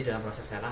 dalam proses relang